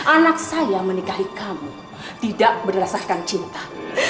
anak saya menikahi kamu tidak berdasarkan cinta